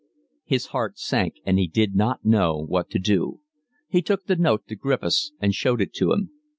His heart sank, and he did not know what to do. He took the note to Griffiths and showed it to him.